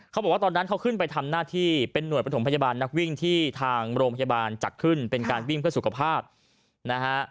เขาบอกว่าตอนนั้นเขาขึ้นไปทำหน้าที่เป็นหน่วยประถมพยาบาลนักวิ่งที่ทางโรงพยาบาลจัดขึ้นเป็นการวิ่งเพื่อสุขภาพนะฮะ